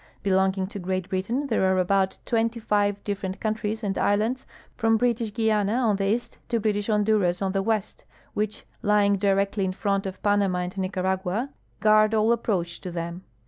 Belonging to (treat Britain there are about twenty five ditferent countries and islands, from British Guiana on the east to British Honduras on tlie ivest, which lying directly in front of Panama and Nicaragua guard all ajiproach to them.